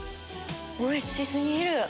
おいし過ぎる！